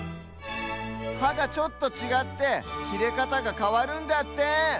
はがちょっとちがってきれかたがかわるんだって！